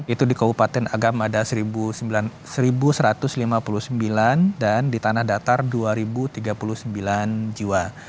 itu di kabupaten agam ada seribu satu ratus lima puluh sembilan dan di tanah datar dua tiga puluh sembilan jiwa